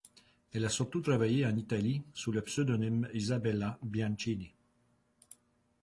Elle a surtout travaillé en Italie sous le pseudonyme Isabella Biancini.